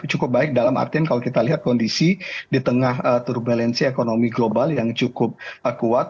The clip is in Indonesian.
cukup baik dalam artian kalau kita lihat kondisi di tengah turbulensi ekonomi global yang cukup kuat